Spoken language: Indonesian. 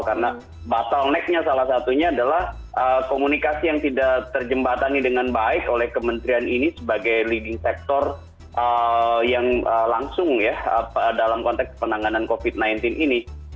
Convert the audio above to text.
karena bottleneck nya salah satunya adalah komunikasi yang tidak terjembatani dengan baik oleh kementerian ini sebagai leading sector yang langsung ya dalam konteks penanganan covid sembilan belas ini